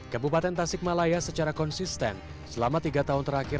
kabupaten tasik malaya secara konsisten selama tiga tahun terakhir